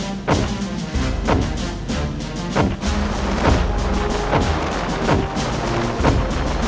aku akan menghilangkan melting pot kalian